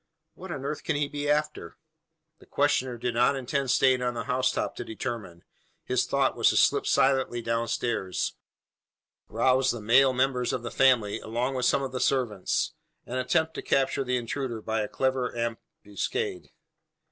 What on earth can he be after?" The questioner did not intend staying on the housetop to determine. His thought was to slip silently downstairs rouse the male members of the family, along with some of the servants; and attempt to capture the intruder by a clever ambuscade.